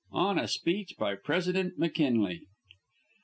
ON A SPEECH BY PRESIDENT McKINLEY.